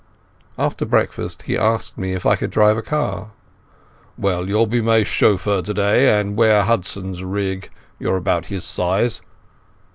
After breakfast he asked me if I could drive a car. "Well, you'll be my chauffeur today and wear Hudson's rig. You're about his size.